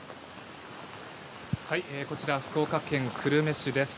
こちら、福岡県久留米市です。